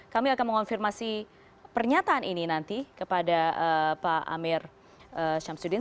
kami akan mengonfirmasi pernyataan ini nanti kepada pak amir syamsuddin